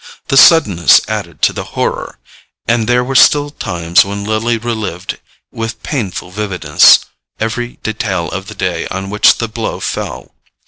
The suddenness added to the horror; and there were still times when Lily relived with painful vividness every detail of the day on which the blow fell.